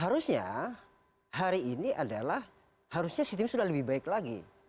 harusnya hari ini adalah harusnya sistem sudah lebih baik lagi